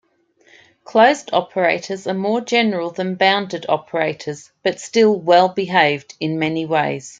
Closed operators are more general than bounded operators but still "well-behaved" in many ways.